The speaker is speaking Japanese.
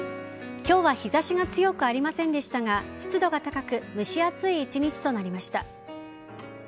今日は日差しが強くありませんでしたが湿度が高く蒸し暑い１日となりました。